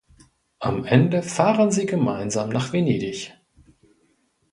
Am Ende fahren sie gemeinsam nach Venedig.